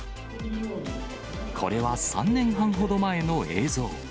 これは３年半ほど前の映像。